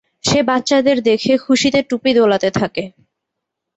সে বাচ্চাদের দেখে খুশিতে টুপি দোলাতে থাকে।